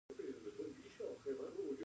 مسلکي انجینر پوهه او مهارت لري.